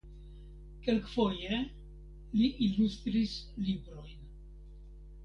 Kelkfoje li ilustris librojn.